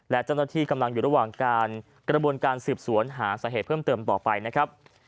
และเจ้าหน้าที่กำลังอยู่ระหว่างการกระบวนการสืบสวนหาสาเหตุเพิ่มเติมต่อไปนะครับ